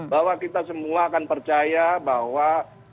bahwa kita semua akan percaya bahwa